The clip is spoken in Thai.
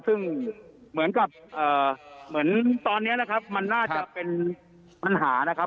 ซึ่งเหมือนกับเหมือนตอนนี้นะครับมันน่าจะเป็นปัญหานะครับ